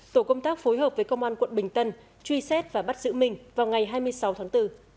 tổ công tác phối hợp với công an quận bình tân truy xét và bắt giữ minh vào ngày hai mươi sáu tháng bốn